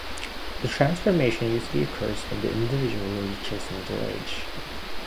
The transformation usually occurs when the individual reaches middle age.